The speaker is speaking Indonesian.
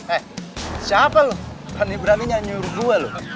eh siapa lo berani beraninya nyuruh gue lo